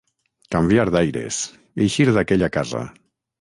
Canviar d'aires, eixir d'aquella casa.